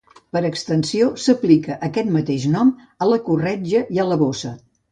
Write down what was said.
Per extensió, s'aplica aquest mateix nom a la corretja i a la bossa.